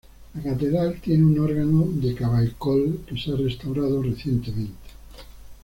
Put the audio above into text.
La catedral tiene un órgano de Cavaille-Coll que se ha restaurado recientemente.